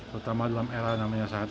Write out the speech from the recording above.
terutama dalam era namanya sehat